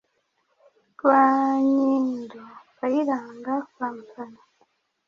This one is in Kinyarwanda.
Rwanyindo Kayirangwa Fanfan